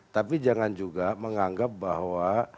tapi jangan juga menganggap bahwa